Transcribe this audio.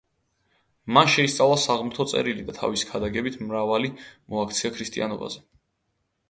მან შეისწავლა საღმრთო წერილი და თავისი ქადაგებით მრავალი მოაქცია ქრისტიანობაზე.